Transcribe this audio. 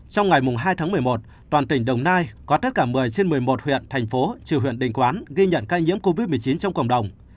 trong ngày hai tháng một mươi một toàn tỉnh đồng nai có tất cả một mươi trên một mươi một huyện thành phố trừ huyện đình quán ghi nhận ca nhiễm covid một mươi chín trong cộng đồng